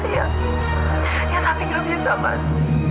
ya ya tapi gak bisa mas